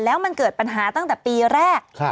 แล้วมันเกิดปัญหาตั้งแต่ปีแรก